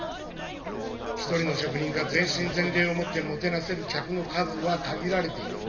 一人の職人が全身全霊をもってもてなせる客の数は限られている。